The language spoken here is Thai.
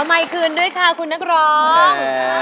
ขอใหม่คืนด้วยค่ะคุณหนักร้อง